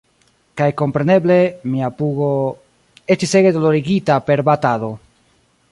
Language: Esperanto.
Kaj kompreneble, mia pugo... estis ege dolorigita per batado.